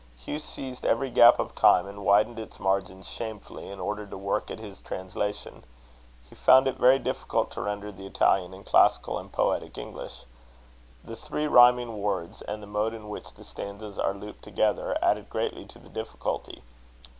Hugh seized every gap of time, and widened its margins shamefully, in order to work at his translation. He found it very difficult to render the Italian in classical and poetic English. The three rhyming words, and the mode in which the stanzas are looped together, added greatly to the difficulty.